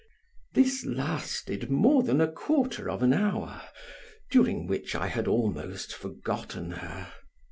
This lasted more than a quarter of an hour, during which I had almost forgotten her.